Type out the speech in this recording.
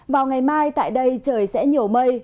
vào ngày mai tại đây trời sẽ nhiều mây